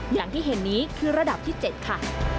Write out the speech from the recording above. อย่างที่เห็นนี้คือระดับที่๗ค่ะ